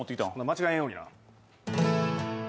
間違えんようにな。